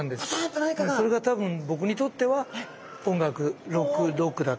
それが多分僕にとっては音楽ロックだった。